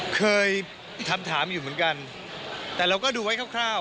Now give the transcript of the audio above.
เคยคำถามอยู่เหมือนกันแต่เราก็ดูไว้คร่าว